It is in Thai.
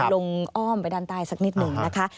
อ้อมไปด้านใต้สักนิดหนึ่งนะคะ